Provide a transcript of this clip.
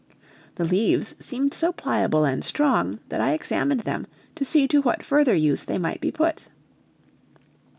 The leaves seemed so pliable and strong that I examined them to see to what further use they might be put.